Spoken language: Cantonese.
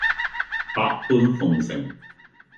百般奉承